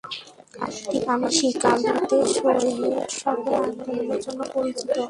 তিনি শিকাগোতে সোয়েটশপের আন্দোলনের জন্য পরিচিত।